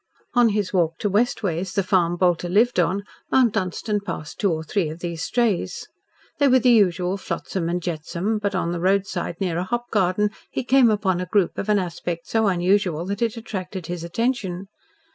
On his walk to West Ways, the farm Bolter lived on, Mount Dunstan passed two or three of these strays. They were the usual flotsam and jetsam, but on the roadside near a hop garden he came upon a group of an aspect so unusual that it attracted his attention.